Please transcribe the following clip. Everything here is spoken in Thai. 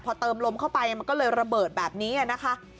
พอเติมลมเข้าไปมันก็เลยระเบิดแบบนี้นะคะ